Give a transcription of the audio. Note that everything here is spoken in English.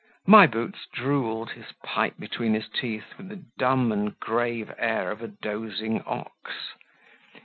My Boots drooled, his pipe between his teeth, with the dumb and grave air of a dozing ox.